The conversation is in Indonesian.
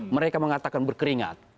mereka mengatakan berkeringat